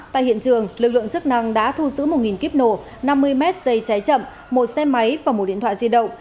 tại hiện trường lực lượng chức năng đã thu giữ một kíp nổ năm mươi mét dây cháy chậm một xe máy và một điện thoại di động